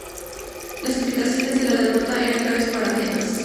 Las implicaciones de la derrota eran graves para Atenas.